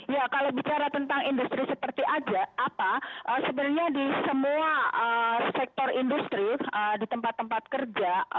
ya kalau bicara tentang industri seperti aja apa sebenarnya di semua sektor industri di tempat tempat kerja